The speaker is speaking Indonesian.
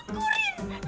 syukurin lagi ya sih